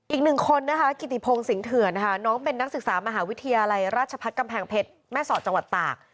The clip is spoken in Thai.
อีกหนึ่งคนนะคะกิติพงศิงเถื่อนนะคะน้องเป็นนักศึกษามหาวิทยาลัยราชพัฒน์กำแพงเพชรแม่สอดจังหวัดตาก